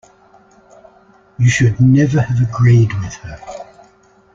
You should never have agreed with her